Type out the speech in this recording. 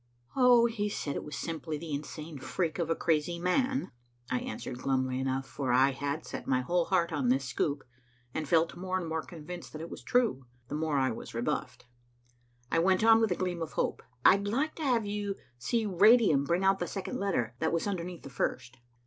"Oh, he said it was simply the insane freak of a crazy man," I answered glumly enough, for I had set my whole heart on this scoop, and felt more and more convinced that it was true, the more I was rebuffed. I went on with a gleam of hope. "I'd like to have you see radium bring out the second letter, that was underneath the first."